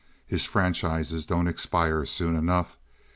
His franchises don't expire soon enough.